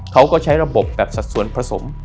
เขาก็ใช้ระบบแบบสัดส่วนผสม